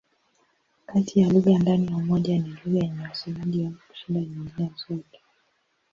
Kati ya lugha ndani ya Umoja ni lugha yenye wasemaji wengi kushinda nyingine zote.